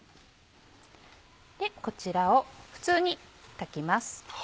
こちらを普通に炊きます。